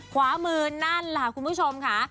ขวามือนั่นล่ะคุณผู้ชมค่ะ